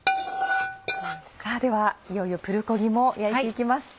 さぁではいよいよプルコギも焼いて行きます。